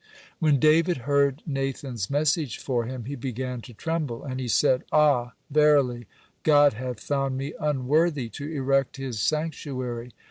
(88) When David heard Nathan's message for him, he began to tremble, and he said: "Ah, verily, God hath found me unworthy to erect His sanctuary."